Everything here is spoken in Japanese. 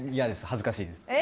恥ずかしいです。